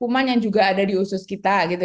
kuman yang juga ada di usus kita